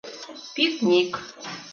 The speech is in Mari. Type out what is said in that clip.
Пикник!